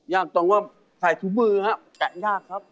ยากตรงว่าใส่ทุกมือนะครับแกะได้